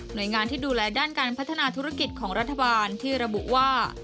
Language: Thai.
โดยงานที่ดูแลด้านการพัฒนาธุรกิจของรัฐบาลที่ระบุว่า